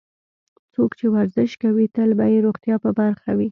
څوک چې ورزش کوي، تل به یې روغتیا په برخه وي.